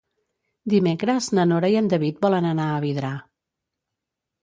Dimecres na Nora i en David volen anar a Vidrà.